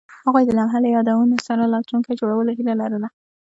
هغوی د لمحه له یادونو سره راتلونکی جوړولو هیله لرله.